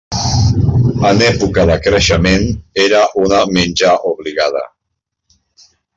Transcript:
En època de creixement era una menja obligada.